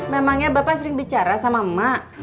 memangnya bapak sering bicara sama emak